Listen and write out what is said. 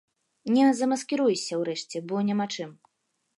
Не замаскіруешся, урэшце, бо няма чым.